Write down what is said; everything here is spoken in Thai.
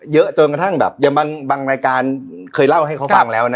เยอะจนกระทั่งแบบอย่างบางรายการเคยเล่าให้เขาฟังแล้วนะ